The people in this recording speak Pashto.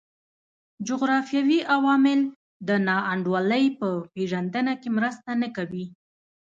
جغرافیوي عوامل د نا انډولۍ په پېژندنه کې مرسته نه کوي.